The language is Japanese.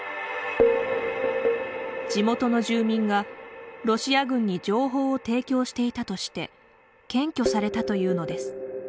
地元の住民が、ロシア軍に情報を提供していたとして検挙されたというのです。